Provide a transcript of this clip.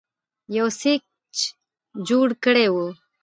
یو سکیچ جوړ کړی وو